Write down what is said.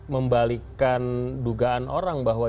membalikan dugaan orang bahwa